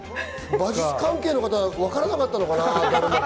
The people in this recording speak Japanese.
馬術関係の方、わからなかったのかな？